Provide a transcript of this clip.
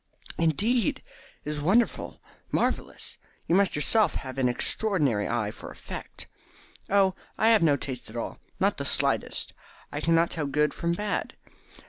"Indeed, it is wonderful marvellous! You must yourself have an extraordinary eye for effect." "Oh, I have no taste at all; not the slightest. I cannot tell good from bad.